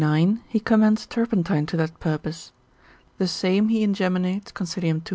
he commends turpentine to that purpose: the same he ingeminates, consil. 230.